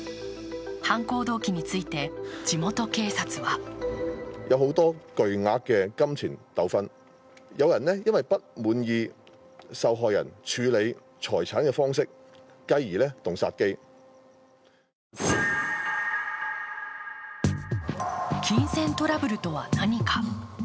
犯行動機について地元警察は金銭トラブルとは何か。